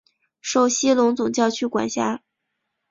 受西隆总教区管辖。